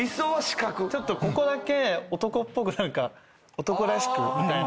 ちょっとここだけ男っぽく男らしくみたいな。